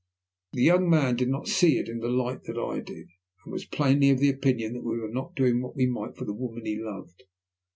The young man did not see it in the same light as I did, and was plainly of the opinion that we were not doing what we might for the woman he loved.